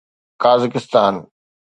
Kazakhstan